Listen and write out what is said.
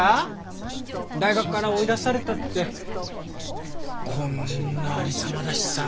大学から追い出されたってこんなありさまだしさ。